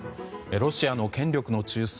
ロシアの権力の中枢